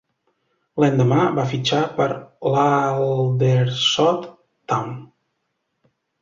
L'endemà va fitxar per l'Aldershot Town.